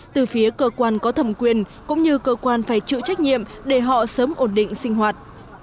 từ phía cơ quan có thẩm quyền cũng như cơ quan phải chịu trách nhiệm để họ sớm ổn định sinh hoạt